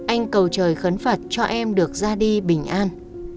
anh cầu trời khấn phật cho em được ra đi bình an